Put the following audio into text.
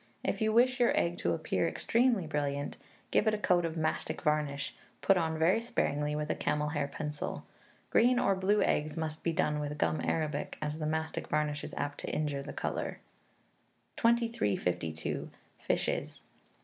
If you wish your egg to appear extremely brilliant, give it a coat of mastic varnish, put on very sparingly with a camel hair pencil: green or blue eggs must be done with gum arabic, as the mastic varnish is apt to injure the colour. 2342. Fishes.